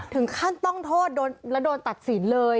ถึงขั้นต้องโทษและโดนตัดสินเลย